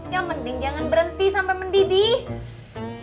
yang penting jangan berhenti sampai mendidih